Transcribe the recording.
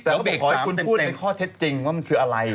แต่เขาบอกขอให้คุณพูดในข้อเท็จจริงว่ามันคืออะไร